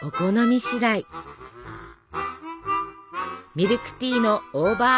ミルクティーのオーバー